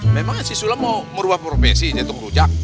memangnya si sulam mau merubah profesi jatuh rujak